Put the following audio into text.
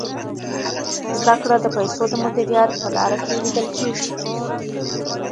زده کړه د پیسو د مدیریت په لاره کي لیدل کیږي.